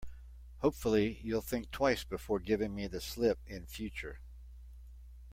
Hopefully, you'll think twice before giving me the slip in future.